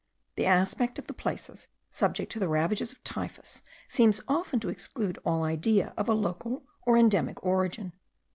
The aspect of the places subject to the ravages of typhus seems often to exclude all idea of a local or endemical origin.